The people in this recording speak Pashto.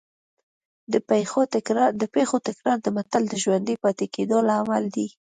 د پېښو تکرار د متل د ژوندي پاتې کېدو لامل دی